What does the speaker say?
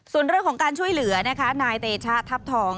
ส่วนเรื่องของการช่วยเหลือนะคะนายเตชะทัพทอง